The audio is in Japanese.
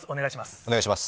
お願いします。